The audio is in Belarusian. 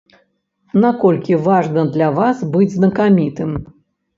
Наколькі важна для вас быць знакамітым?